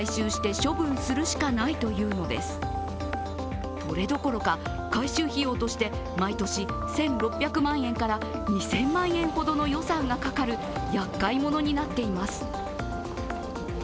それどころか、改修費用として毎年１６００万円から２０００万円ほどの予算がかかるやっかいものになっています。